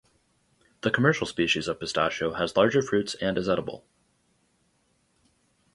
The commercial species of pistachio has larger fruits and is edible.